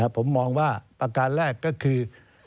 ผมมองว่าประการแรกก็คือ